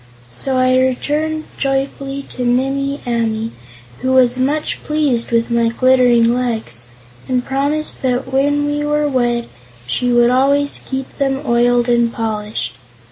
So I returned joyfully to Nimmie Amee, who was much pleased with my glittering legs and promised that when we were wed she would always keep them oiled and polished.